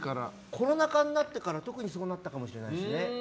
コロナ禍になってから特にそうなったかもしれないですね。